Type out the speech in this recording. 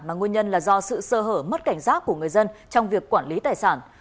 mà nguyên nhân là do sự sơ hở mất cảnh giác của người dân trong việc quản lý tài sản